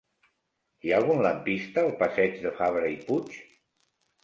Hi ha algun lampista al passeig de Fabra i Puig?